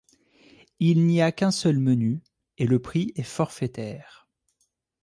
Il n'y a qu'un seul menu et le prix est forfaitaire.